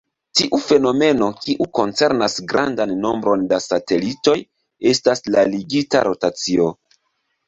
Tiu fenomeno, kiu koncernas grandan nombron da satelitoj, estas la ligita rotacio.